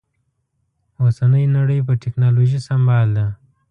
اوسنۍ نړۍ په ټکنالوژي سمبال ده